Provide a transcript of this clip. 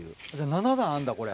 ７段あるんだこれ。